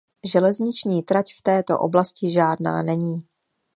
Železniční trať v této oblasti žádná není.